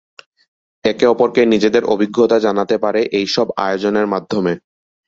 একে অপরকে নিজেদের অভিজ্ঞতা জানাতে পারে এইসব আয়োজনের মাধ্যমে।